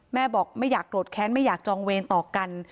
แม่บอกไม่อยากโกรธแค้นไม่อยากจองเวรต่อกัน